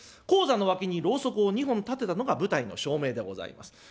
高座の脇にろうそくを２本立てたのが舞台の照明でございます。